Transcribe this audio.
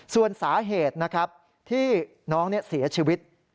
ส่วนสาเหตุนะครับที่น้องเสียชีวิต